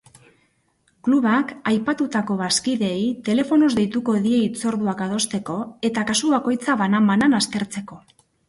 Klubak aipatutako bazkideei telefonoz deituko die hitzorduak adosteko eta kasu bakoitza banan-banan aztertzeko.